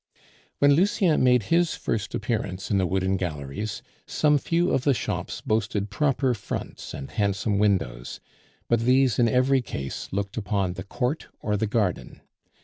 When Lucien made his first appearance in the Wooden Galleries, some few of the shops boasted proper fronts and handsome windows, but these in every case looked upon the court or the garden.